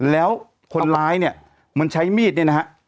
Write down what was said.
แล้วคนร้ายเนี่ยมันใช้มีดเนี่ยนะฮะ